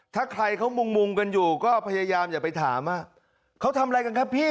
ถ้าใครเขามุงกันอยู่ก็พยายามอย่าไปถามว่าเขาทำอะไรกันครับพี่